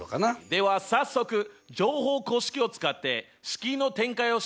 では早速乗法公式を使って式の展開をしてみよう！